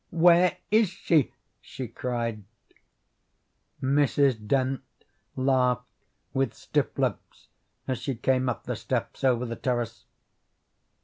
"Where is she?" she cried. Mrs. Dent laughed with stiff lips as she came up the steps over the terrace.